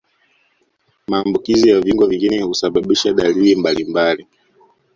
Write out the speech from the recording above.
Maambukizi ya viungo vingine husababisha dalili mbalimbali